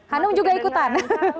hanum juga ikutan